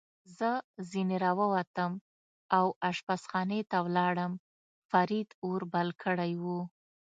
زه ځنې را ووتم او اشپزخانې ته ولاړم، فرید اور بل کړی و.